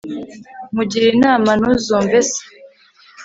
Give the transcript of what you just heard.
nkugira inama ntuzumve se